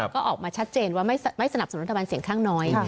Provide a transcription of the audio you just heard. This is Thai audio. ก็ออกมาชัดเจนว่าไม่สนับสนุนรัฐบาลเสียงข้างน้อย